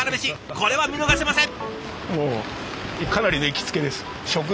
これは見逃せません。